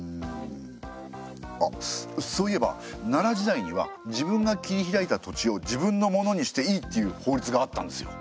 あそういえば奈良時代には自分が切り開いた土地を自分のものにしていいっていう法律があったんですよ。